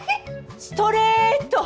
ストレート！